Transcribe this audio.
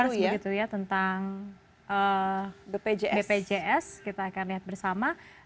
terus begitu ya tentang bpjs kita akan lihat bersama